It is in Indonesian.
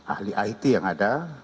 ahli it yang ada